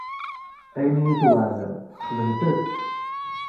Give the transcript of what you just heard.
Ayen i tweɛdem, xedmet-t.